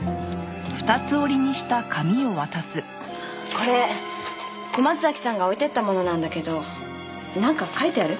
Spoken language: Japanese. これ小松崎さんが置いていったものなんだけどなんか書いてある？